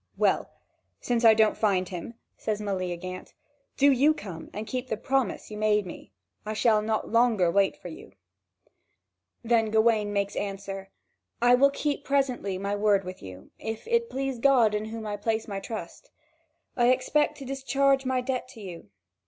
"Well, since I don't find him," says Meleagant, "do you come and keep the promise you made me: I shall not longer wait for you." Then Gawain makes answer: "I will keep presently my word with you, if it please God in whom I place my trust. I expect to discharge my debt to you.